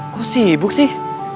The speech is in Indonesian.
kok sibuk sih